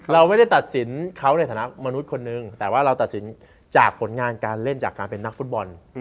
เราไม่ได้ตัดสินเขาในฐานะมนุษย์คนนึงแต่ว่าเราตัดสินจากผลงานการเล่นจากการเป็นนักฟุตบอล